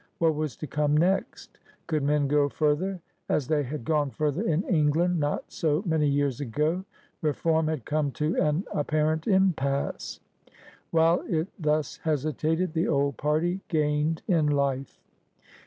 What was to come next? Could men go further — as they had gone further in England not so many years ago? Reform had come to an apparent impasse. While it thus hesitated, the old party gained in life.